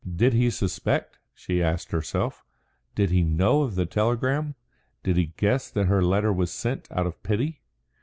Did he suspect, she asked herself? Did he know of the telegram? Did he guess that her letter was sent out of pity?